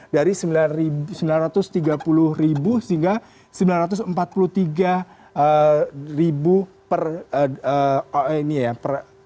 dari sembilan ratus tiga puluh ribu sehingga sembilan ratus empat puluh tiga per